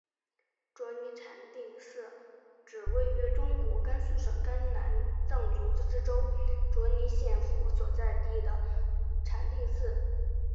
卓尼禅定寺指位于中国甘肃省甘南藏族自治州卓尼县府所在地的禅定寺。